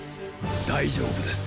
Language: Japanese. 大丈夫です。